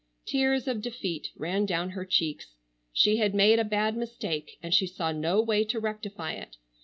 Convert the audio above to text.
Tears of defeat ran down her cheeks. She had made a bad mistake and she saw no way to rectify it.